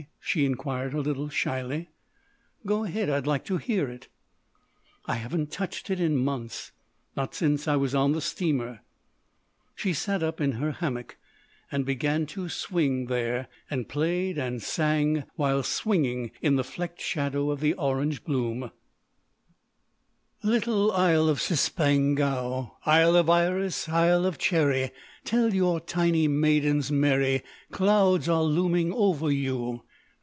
she inquired a little shyly. "Go ahead. I'd like to hear it!" "I haven't touched it in months—not since I was on the steamer." She sat up in her hammock and began to swing there; and played and sang while swinging in the flecked shadow of the orange bloom: "Little Isle of Cispangou, Isle of iris, isle of cherry, Tell your tiny maidens merry _Clouds are looming over you!